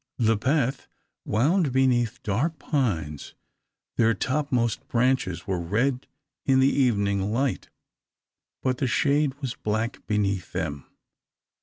The path wound beneath dark pines; their topmost branches, were red in the evening light, but the shade was black beneath them.